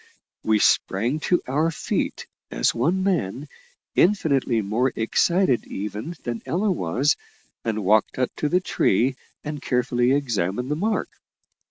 We sprang to our feet as one man, infinitely more excited even than Ella was, and walked up to the tree and carefully examined the mark.